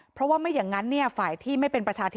เพราะว่าไม่อย่างนั้น